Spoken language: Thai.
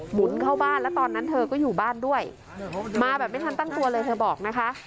หุนเข้าบ้านแล้วตอนนั้นเธอก็อยู่บ้านด้วยมาแบบไม่ทันตั้งตัวเลยเธอบอกนะคะ